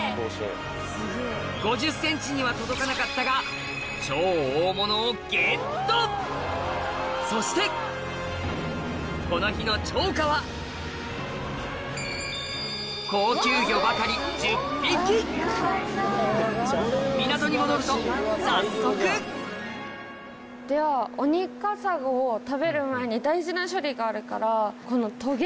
５０ｃｍには届かなかったが超大物をゲットそしてこの日の釣果は高級魚ばかり１０匹港に戻ると早速ではオニカサゴを食べる前に大事な処理があるからこのトゲ。